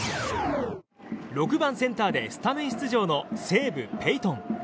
６番センターでスタメン出場の西武、ペイトン。